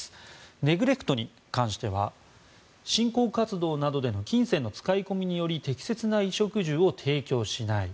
ネグレクトに関しては信仰活動などでの金銭の使い込みにより適切な衣食住を提供しない。